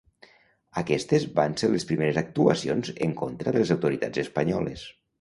Aquestes van les primeres actuacions en contra de les autoritats espanyoles.